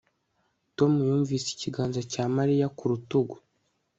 Tom yumvise ikiganza cya Mariya ku rutugu